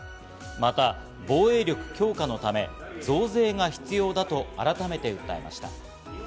また防衛力強化のため、増税が必要だと改めて訴えました。